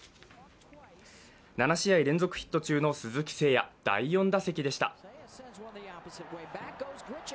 ７試合連続ヒット中の鈴木誠也、第４打席でした。